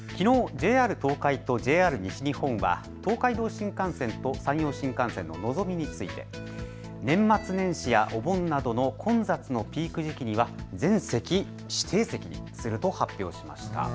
ＪＲ東海とＪＲ西日本は東海道新幹線と山陽新幹線ののぞみについて年末年始やお盆などの混雑のピーク時期には全席指定席にすると発表しました。